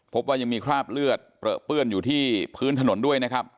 พบว่ายังมีคราบเลือดเปลือเปื้อนอยู่ที่พื้นถนนด้วยนะครับ